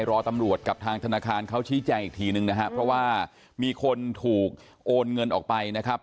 รอตำรวจกับทางธนาคารเขาชี้แจงอีกทีนึงนะครับเพราะว่ามีคนถูกโอนเงินออกไปนะครับ